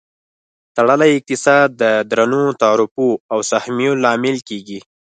تړلی اقتصاد د درنو تعرفو او سهمیو لامل کیږي.